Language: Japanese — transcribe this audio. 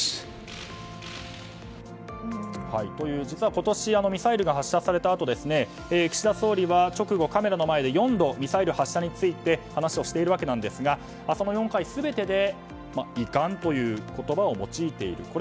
実は、今年ミサイルが発射されたあと岸田総理は直後カメラの前で４度ミサイル発射について話をしているわけですがその４回全てで遺憾という言葉を用いている。